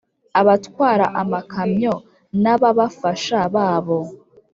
abatwara amakamyo n’ababafasha babo